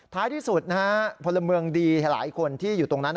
ท้ายที่สุดนะฮะพลเมืองดีหลายคนที่อยู่ตรงนั้น